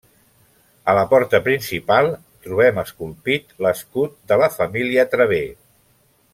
A la porta principal trobem esculpit l'escut de la família Traver.